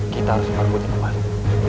kita harus memperkuat kembali